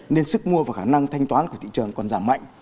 nên sức mua và khả năng thanh toán của thị trường còn giảm mạnh